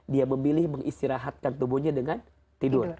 dia memilih mengistirahatkan tubuhnya dengan tidur